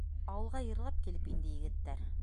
Ауылға йырлап килеп инде егеттәр.